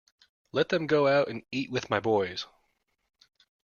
Let them go out and eat with my boys.